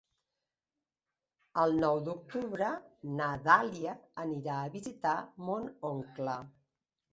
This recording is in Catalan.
El nou d'octubre na Dàlia anirà a visitar mon oncle.